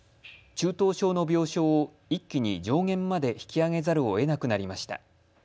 中等症の病床を一気に上限まで引き上げざるをえなくなりました。